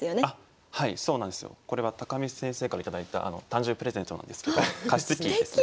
はいそうなんですよ。これは見先生から頂いた誕生日プレゼントなんですけど加湿器ですね。